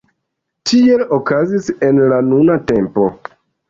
Tiel okazis en la nuna tempo.